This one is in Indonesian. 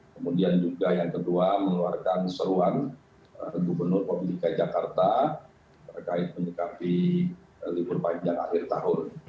kemudian juga yang kedua mengeluarkan seruan gubernur dki jakarta terkait menyikapi libur panjang akhir tahun